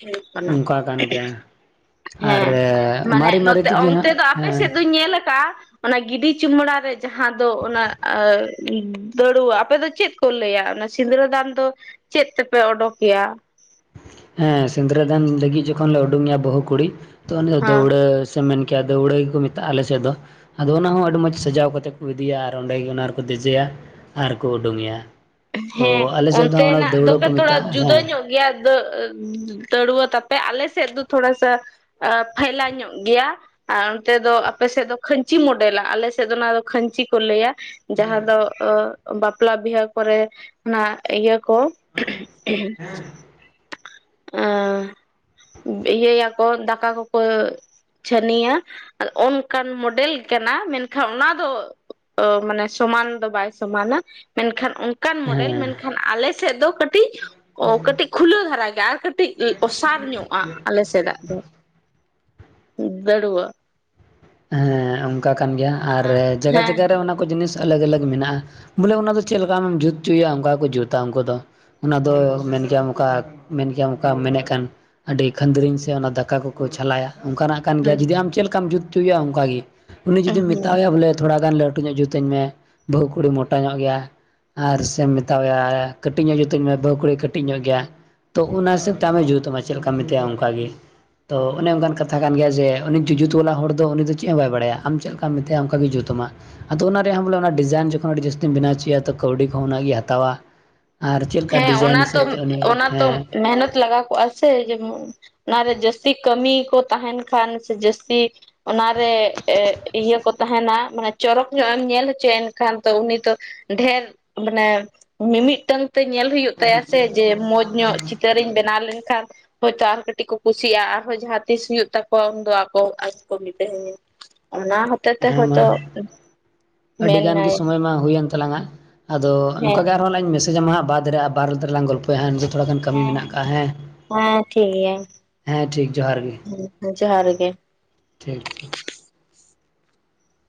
Speaker 1: ᱦᱩᱭᱩᱜ ᱠᱟᱱᱟ
Speaker 2: ᱚᱱᱠᱟ ᱠᱟᱱ ᱜᱮᱭᱟ
Speaker 1: [INAUDIBLE]
Speaker 2: ᱟᱨ
Speaker 1: ᱦᱮᱸ ᱢᱟᱱᱮ
Speaker 2: ᱢᱟᱨᱮ ᱢᱟᱨᱮ
Speaker 1: ᱱᱚᱛᱮ
Speaker 2: ᱛᱮᱜᱮ
Speaker 1: ᱚᱱᱛᱮ
Speaker 2: ᱦᱟᱸᱜ
Speaker 1: ᱫᱚ ᱟᱯᱮ
Speaker 2: ᱦᱮᱸ
Speaker 1: ᱥᱮᱫ ᱫᱚᱧ ᱧᱮᱞ ᱟᱠᱟᱜᱼᱟ ᱚᱱᱟ ᱜᱤᱰᱤ ᱪᱩᱢᱲᱟ ᱨᱮ ᱡᱟᱦᱟᱸ ᱫᱚ ᱚᱱᱟ ᱫᱟᱹᱲᱣᱟ ᱟᱯᱮ ᱫᱚ ᱪᱮᱫ ᱠᱚ ᱞᱟᱹᱭᱟ ᱚᱱᱟ ᱥᱤᱸᱫᱽᱨᱟᱹ ᱫᱟᱱ ᱫᱚ ᱪᱮᱫ ᱛᱮᱯᱮ ᱚᱰᱚᱠᱮᱭᱟ?
Speaker 2: ᱦᱮᱸ ᱥᱤᱸᱫᱽᱨᱟᱹ ᱫᱟᱱ ᱞᱟᱹᱜᱤᱫ ᱡᱚᱠᱷᱚᱱ ᱞᱮ ᱩᱰᱩᱝᱮᱭᱟ ᱵᱟᱹᱦᱩ ᱠᱩᱲᱤ ᱛᱚ ᱩᱱᱤ ᱫᱚ
Speaker 1: ᱦᱮᱸ
Speaker 2: ᱫᱟᱹᱣᱲᱟᱹ ᱪᱮᱢ ᱢᱮᱱ ᱠᱮᱭᱟ ᱫᱟᱹᱣᱲᱟᱹ ᱜᱮᱠᱚ ᱢᱤᱛᱟᱜᱼᱟ ᱟᱞᱮ ᱥᱮᱫ ᱫᱚ ᱾ ᱟᱫᱚ ᱚᱱᱟ ᱦᱚᱸ ᱟᱹᱰᱤ ᱢᱚᱸᱡᱽ ᱥᱟᱡᱟᱣ ᱠᱟᱛᱮᱫ ᱠᱚ ᱤᱫᱤᱭᱟ ᱟᱨ ᱚᱸᱰᱮ ᱜᱮ ᱚᱱᱟ ᱨᱮᱠᱚ ᱫᱮᱡᱮᱭᱟ ᱟᱨᱠᱚ ᱚᱰᱚᱝᱮᱭᱟ
Speaker 1: ᱦᱮᱸ ᱚᱱᱛᱮᱱᱟᱜ ᱫᱚᱠᱟ
Speaker 2: ᱠᱚ
Speaker 1: ᱛᱷᱚᱲᱟ
Speaker 2: ᱢᱮᱛᱟᱜᱼᱟ
Speaker 1: ᱡᱩᱫᱟᱹ
Speaker 2: ᱦᱮᱸ
Speaker 1: ᱧᱚᱜ ᱜᱮᱭᱟ ᱾ ᱫᱟᱹᱜᱼᱟ. ᱫᱟᱹᱲᱩᱣᱟᱹ ᱛᱟᱯᱮ ᱟᱞᱮ ᱥᱮᱫ ᱫᱚ ᱛᱷᱚᱲᱟᱥᱟ ᱟ ᱯᱷᱟᱭᱞᱟ ᱧᱚᱜ ᱜᱮᱭᱟ ᱟᱨ ᱚᱱᱛᱮ ᱫᱚ ᱟᱯᱮ ᱥᱮᱫ ᱫᱚ ᱠᱷᱟᱹᱧᱪᱤ ᱢᱚᱰᱮᱞᱟ, ᱟᱞᱮ ᱥᱮᱫ ᱫᱚ ᱚᱱᱟ ᱫᱚ ᱠᱷᱟᱹᱧᱪᱤ ᱠᱚ ᱞᱟᱹᱭᱟ ᱡᱟᱦᱟᱸ ᱫᱚ ᱵᱟᱯᱞᱟ ᱵᱤᱦᱟᱹ ᱠᱚᱨᱮ ᱚᱱᱟ ᱤᱭᱟᱹ ᱠᱚ [UNINTELLIGIBLE] ᱮᱻ ᱤᱭᱟᱹᱭᱟᱠᱚ ᱫᱟᱠᱟ ᱠᱚᱠᱚ ᱪᱷᱟᱹᱱᱤᱭᱟᱹ ᱟᱨ ᱚᱱᱠᱟᱱ ᱢᱚᱰᱮᱹᱞ ᱠᱟᱱᱟ ᱢᱮᱱᱠᱷᱟᱱ ᱚᱱᱟ ᱫᱚ ᱚ ᱢᱟᱱᱮ ᱥᱚᱢᱟᱱ ᱫᱚ ᱵᱟᱭ ᱥᱚᱢᱟᱱᱟ ᱢᱮᱱᱠᱷᱟᱱ ᱚᱱᱠᱟᱱ ᱢᱚᱰᱮᱞ
Speaker 2: ᱦᱮᱸ
Speaker 1: ᱢᱮᱱᱠᱷᱟᱱ ᱟᱞᱮᱥᱮᱫ ᱫᱚ ᱠᱟᱹᱴᱤᱡ ᱠᱟᱹᱴᱤᱡ ᱠᱷᱩᱞᱟᱹᱣ ᱫᱷᱟᱨᱟ ᱜᱮ ᱠᱟᱹᱴᱤᱡ ᱚᱥᱟᱨ ᱧᱚᱜᱼᱟ ᱟᱞᱮ ᱥᱮᱫᱟᱜ ᱫᱚ ᱫᱟᱹᱲᱩᱣᱟᱹ
Speaker 2: ᱦᱮᱸ ᱚᱱᱠᱟ ᱠᱟᱱ ᱜᱮᱭᱟ ᱟᱨ ᱡᱟᱜᱟ
Speaker 1: ᱦᱮᱸ
Speaker 2: ᱡᱟᱜᱟ ᱨᱮ ᱠᱩᱪ ᱡᱤᱱᱤᱥ ᱟᱞᱟᱜᱽ ᱟᱞᱟᱜᱽ ᱢᱮᱱᱟᱜᱼᱟ ᱵᱚᱞᱮ ᱚᱱᱟ ᱫᱚ ᱪᱮᱫ ᱞᱮᱠᱟ ᱟᱢᱮᱢ ᱡᱩᱛ ᱦᱚᱪᱚᱭᱟ ᱚᱱᱠᱟ ᱜᱮ ᱠᱚ ᱡᱩᱛᱟ ᱩᱱᱠᱩ ᱫᱚ ᱚᱱᱟ ᱫᱚ ᱢᱮᱱ ᱜᱮᱭᱟᱢ ᱚᱠᱟ ᱢᱮᱱ ᱜᱮᱭᱟᱢ ᱚᱠᱟᱢ ᱢᱮᱱᱮᱫ ᱠᱷᱟᱱ ᱟᱰᱤ ᱠᱷᱟᱸᱫᱽᱨᱤᱝ ᱥᱮ ᱚᱱᱟ ᱫᱟᱠᱟ ᱠᱚᱠᱚ ᱪᱷᱟᱞᱟᱭᱟ ᱚᱱᱠᱟᱱᱟᱜ ᱠᱟᱱ ᱜᱮᱭᱟ
Speaker 1: ᱦᱮᱸ
Speaker 2: ᱡᱩᱫᱤ ᱟᱢ ᱪᱮᱫ ᱞᱮᱠᱟᱢ ᱡᱩᱛ ᱦᱩᱪᱩᱭᱟ ᱚᱱᱠᱟ ᱜᱤ ᱩᱱᱤ ᱡᱩᱫᱤᱢ
Speaker 1: ᱦᱮᱸ
Speaker 2: ᱢᱮᱛᱟᱣᱟᱭᱟ ᱵᱚᱞᱮ ᱛᱷᱚᱲᱟ ᱜᱟᱱ ᱞᱟᱹᱴᱩ ᱧᱚᱜ ᱡᱩᱛ ᱢᱤᱛᱟᱹᱧ ᱢᱮ ᱵᱟᱹᱦᱩ ᱠᱩᱲᱤ ᱢᱚᱴᱟ ᱧᱚᱜ ᱜᱮᱭᱟ ᱟᱨ ᱥᱮᱢ ᱢᱮᱛᱟᱣᱟᱭᱟ ᱠᱟᱹᱴᱤᱡ ᱧᱚᱜ ᱡᱩᱛ ᱟᱹᱧ ᱢᱮ ᱵᱟᱹᱦᱩ ᱠᱩᱲᱤ ᱠᱟᱹᱴᱤᱡ ᱧᱚᱜ ᱜᱮᱭᱟ ᱛᱚ ᱩᱱᱟ ᱦᱤᱥᱟᱹᱵᱽ ᱛᱮ ᱟᱢᱮ ᱡᱩᱛ ᱟᱢᱟ ᱪᱮᱫ ᱞᱮᱠᱟᱢ ᱢᱮᱛᱟᱭᱟ ᱩᱝᱠᱟ ᱜᱮ ᱾ ᱛᱚ ᱚᱱᱮ ᱚᱱᱠᱟᱱ ᱠᱟᱛᱷᱟ ᱠᱟᱱ ᱜᱮᱭᱟ ᱡᱮ ᱩᱱᱤ ᱡᱩᱡᱩᱛ ᱵᱟᱞᱟ ᱦᱚᱲ ᱫᱚ ᱟᱫᱚ ᱩᱱᱤ ᱫᱚ ᱪᱮᱫ ᱦᱚᱸ ᱵᱟᱭ ᱵᱟᱲᱟᱭᱟ ᱟᱢ ᱪᱮᱫ ᱞᱮᱠᱟᱢ ᱢᱮᱛᱟᱭᱟ ᱚᱱᱠᱟ ᱜᱮᱭ ᱡᱩᱛ ᱟᱢᱟ ᱟᱫᱚ ᱚᱱᱟ ᱨᱮᱭᱟᱜ ᱦᱚᱸ ᱵᱚᱞᱮ ᱚᱱᱟ ᱰᱤᱡᱟᱭᱤᱱ ᱡᱚᱠᱷᱚᱱ ᱟᱹᱰᱤ ᱡᱟᱹᱥᱛᱤᱢ ᱵᱮᱱᱟᱣ ᱚᱪᱚᱮᱭᱟ ᱛᱚ ᱠᱟᱹᱣᱰᱤ ᱠᱚᱸᱦᱚᱸ ᱩᱱᱟᱹᱜ ᱜᱤ ᱦᱟᱛᱟᱣᱟ ᱟᱨ ᱪᱮᱫ ᱞᱮᱠᱟ
Speaker 1: ᱦᱮᱸ
Speaker 2: ᱰᱤᱡᱟᱭᱤᱱ
Speaker 1: ᱚᱱᱟ
Speaker 2: ᱦᱤᱥᱟᱹᱵ
Speaker 1: ᱛᱚᱢ
Speaker 2: ᱛᱮ ᱩᱱᱤ
Speaker 1: ᱚᱱᱟ ᱛᱚᱢ
Speaker 2: ᱦᱮᱸ
Speaker 1: ᱢᱮᱦᱱᱮᱛ ᱞᱟᱜᱟᱣ ᱠᱚᱜᱼᱟ ᱪᱮ ᱡᱮᱢᱚᱱ ᱞᱟᱦᱟᱨᱮ ᱡᱟᱹᱥᱛᱤ ᱠᱟᱹᱢᱤ ᱠᱚ ᱛᱟᱦᱮᱱ ᱠᱷᱟᱱ ᱥᱮ ᱡᱟᱹᱥᱛᱤ ᱚᱱᱟᱨᱮ ᱮᱜ ᱤᱭᱟᱹ ᱠᱚ ᱛᱟᱦᱮᱱᱟ ᱢᱟᱱᱮ ᱪᱚᱨᱚᱠ ᱧᱚᱜ ᱮᱢ ᱧᱮᱞ ᱦᱚᱪᱚᱭᱟ ᱮᱱᱠᱷᱟᱱ ᱛᱚ ᱩᱱᱤ ᱛᱚ ᱰᱷᱮᱨ ᱢᱟᱱᱮ ᱢᱤᱢᱤᱫᱴᱟᱹᱝ ᱛᱮ ᱧᱮᱞ ᱦᱩᱭᱩᱜ ᱛᱟᱭᱟ ᱥᱮ ᱡᱮ ᱢᱚᱸᱡᱽ ᱧᱚᱜ ᱪᱤᱛᱟᱹᱨᱤᱧ ᱵᱮᱱᱟᱣ ᱞᱮᱱᱠᱷᱟᱱ ᱦᱚᱭᱛᱚ ᱟᱨ ᱠᱟᱹᱴᱤᱡ ᱠᱚ ᱠᱩᱥᱤᱭᱟᱜᱼᱟ ᱟᱨᱦᱚᱸ ᱡᱟᱸᱦᱟᱸ ᱛᱤᱥ ᱦᱩᱭᱩᱜ ᱛᱟᱠᱚᱣᱟ ᱩᱱᱫᱚ ᱟᱠᱚ ᱟᱡ ᱠᱚ ᱢᱤᱛᱟᱹᱦᱟᱹᱭᱟᱹ ᱚᱱᱟ ᱦᱚᱸᱜ
Speaker 2: ᱦᱮᱸ ᱢᱟ ᱟᱹᱰᱤ ᱜᱟᱱ ᱜᱮ
Speaker 1: ᱢᱮᱱᱟᱭ
Speaker 2: ᱥᱚᱢᱚᱭ ᱢᱟ ᱦᱩᱭᱮᱱ ᱛᱟᱞᱟᱝᱟ ᱟᱫᱚ ᱱᱚᱝᱠᱟ
Speaker 1: ᱦᱮᱸ
Speaker 2: ᱜᱮ ᱟᱨᱦᱚᱸ ᱞᱟᱝ ᱢᱮᱥᱮᱡᱽ ᱟᱢᱟ ᱵᱟᱫᱽ ᱨᱮ ᱟᱨ ᱵᱟᱫᱽ ᱨᱮᱫᱚ ᱞᱟᱝ ᱜᱚᱞᱯᱚ ᱵᱟᱦᱮᱱ ᱡᱤ ᱛᱷᱚᱲᱟ ᱜᱟᱱ ᱠᱟᱹᱢᱤ
Speaker 1: ᱦᱮᱸ
Speaker 2: ᱢᱮᱱᱟᱜ ᱟᱠᱟᱜᱼᱟ ᱦᱮᱸ
Speaker 1: ᱦᱮᱸ ᱴᱷᱤᱠ ᱜᱮᱭᱟ
Speaker 2: ᱦᱮᱸ ᱴᱷᱤᱠ ᱡᱚᱦᱟᱨ ᱜᱮ
Speaker 1: ᱡᱚᱦᱟᱨ ᱜᱮ
Speaker 2: ᱴᱷᱤᱠ